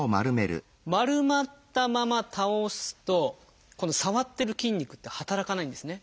丸まったまま倒すとこの触ってる筋肉って働かないんですね。